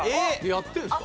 やってるんですか？